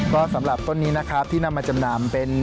ก็สำหรับต้นนี้นะครับที่นำมาจำนำเป็น